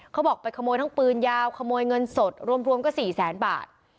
เขาบอกไปขโมยทั้งปืนยาวขโมยเงินสดรวมก็๔แสนบาท